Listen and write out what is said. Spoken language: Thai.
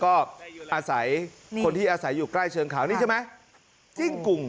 ก็อาศัยคนที่อาศัยอยู่ใกล้เชิงเขานี่ใช่ไหมจิ้งกุ่ง